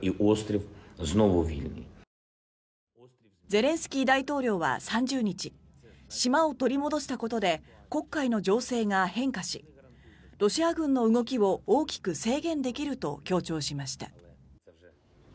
ゼレンスキー大統領は３０日島を取り戻したことで黒海の情勢が変化しロシア軍の動きを大きく制限できると強調しました。